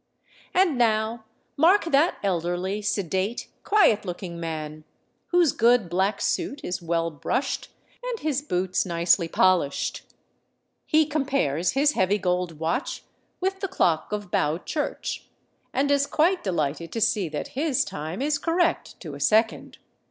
And now mark that elderly, sedate, quiet looking man, whose good black suit is well brushed and his boots nicely polished. He compares his heavy gold watch with the clock of Bow church, and is quite delighted to see that his time is correct to a second.